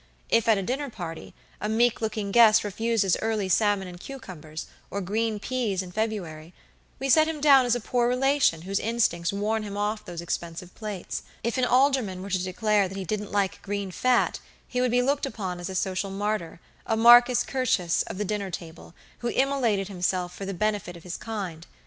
If at a dinner party, a meek looking guest refuses early salmon and cucumbers, or green peas in February, we set him down as a poor relation whose instincts warn him off those expensive plates. If an alderman were to declare that he didn't like green fat, he would be looked upon as a social martyr, a Marcus Curtius of the dinner table, who immolated himself for the benefit of his kind.